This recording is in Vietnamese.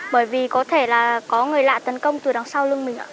bởi vì có thể là có người lạ tấn công từ đằng sau lưng mình ạ